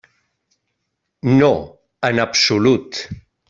No, en absolut.